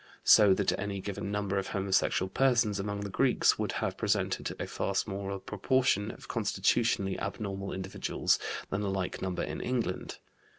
So that any given number of homosexual persons among the Greeks would have presented a far smaller proportion of constitutionally abnormal individuals than a like number in England.